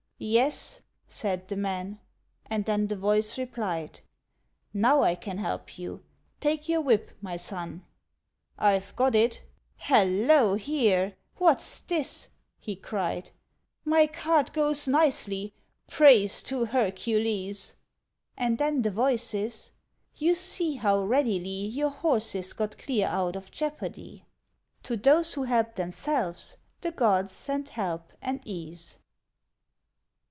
"Yes," said the man; and then the voice replied, "Now I can help you; take your whip, my son." "I've got it. Hallo! here; what's this?" he cried; "My cart goes nicely praise to Hercules." And then the voices "You see how readily Your horses got clear out of jeopardy." To those who help themselves the gods send help and ease.